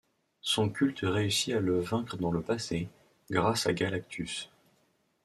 Son culte réussit à le vaincre dans le passé, grâce à Galactus.